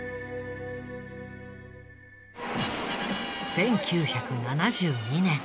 １９７２年。